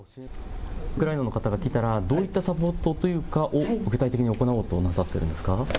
ウクライナの方が来たらそういったサポートを具体的に行おうとなさっているんですか。